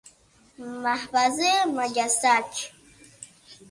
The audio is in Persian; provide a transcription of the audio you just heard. محفظه مگسک